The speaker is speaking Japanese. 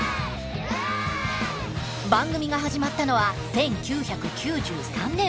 番組が始まったのは１９９３年。